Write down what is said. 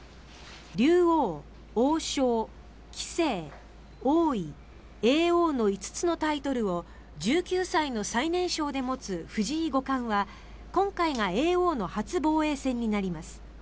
竜王、王将、棋聖、王位、叡王の５つのタイトルを１９歳の最年少で持つ藤井五冠は今回が叡王の初防衛戦になります。